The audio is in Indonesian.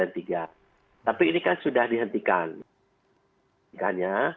tapi ini kan sudah dihentikannya